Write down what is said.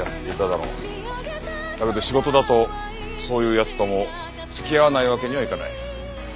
だけど仕事だとそういう奴とも付き合わないわけにはいかない。